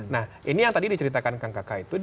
nah ini yang tadi diceritakan kang kakak itu